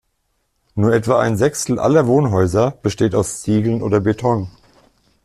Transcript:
Nur etwa ein Sechstel aller Wohnhäuser besteht aus Ziegeln oder Beton.